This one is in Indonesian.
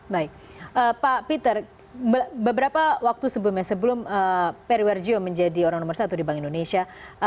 baik pak peter beberapa waktu sebelumnya sebelum periwarjo menjadi orang nomor satu di bank indonesia